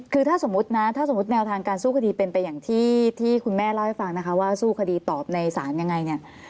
คือถ้าสมมุตินะถ้าสมมุติแนวทางการสู้คดีเป็นไปอย่างที่คุณแม่เล่าให้ฟังนะคะว่าสู้คดีตอบในศาลยังไงเนี่ย